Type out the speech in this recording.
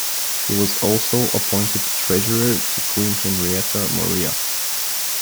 He was also appointed treasurer to Queen Henrietta Maria.